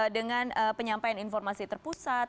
dengan penyampaian informasi terpusat